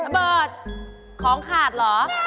เบิร์ตของขาดเหรอ